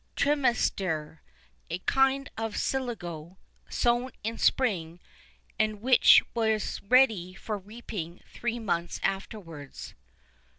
[II 2] Trimestre, a kind of siligo, sown in Spring, and which was ready for reaping three months afterwards.